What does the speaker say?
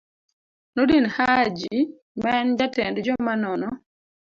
Nordin Hajji, ma en jatend joma nono